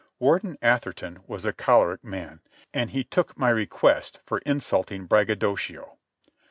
Warden Atherton was a choleric man, and he took my request for insulting braggadocio.